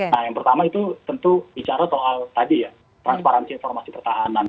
nah yang pertama itu tentu bicara soal tadi ya transparansi informasi pertahanan